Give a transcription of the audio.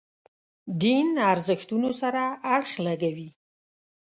دین ارزښتونو سره اړخ لګوي.